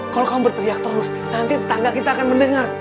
kalau kamu berteriak terus nanti tangga kita akan mendengar